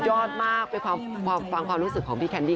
ใช่เป็นอภิชาตรบุรันต์